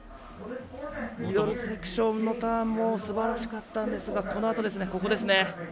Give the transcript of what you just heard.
ミドルセクションのターンもすばらしかったんですがこのあとですね。